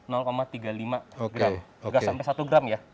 tiga puluh lima gram sampai satu gram ya